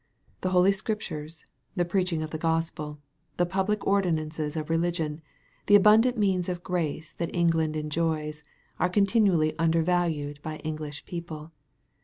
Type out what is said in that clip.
The holy Scriptures, the preaching of the Gospel, the public ordinances of religion, the abundant means of grace that England enjoys, are continually undervalued by English people.